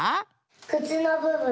くつのぶぶん。